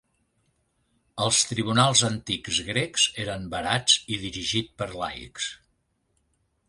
Els tribunals antics grecs eren barats i dirigit per laics.